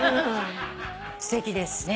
すてきです。